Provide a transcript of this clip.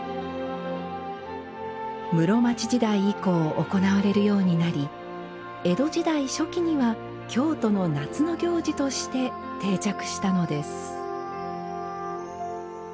室町時代以降行われるようになり江戸時代初期には京都の夏の行事として、定着したのです。